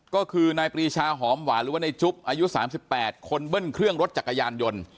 ก็คือนายปรีชาหอมหวานหรือว่าในจุ๊บอายุ๓๘คนเบิ้ลเครื่องรถจักรยานยนต์